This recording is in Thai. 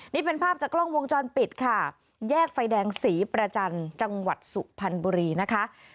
นี่เป็นภาพจากกล้องวงจรปิดค่ะแยกไฟแดงศรีประจันทร์จังหวัดสุพรรณบุรีนะคะ